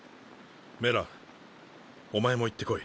メランお前も行ってこい。